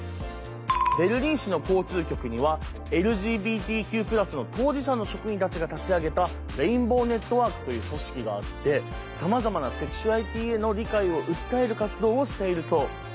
ベルリン市の交通局にはＬＧＢＴＱ＋の当事者の職員たちが立ち上げたレインボーネットワークという組織があってさまざまなセクシュアリティーへの理解を訴える活動をしているそう。